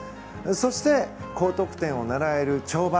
そして、高得点を狙える跳馬。